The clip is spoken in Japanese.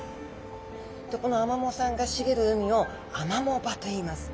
このアマモさんがしげる海をアマモ場といいます。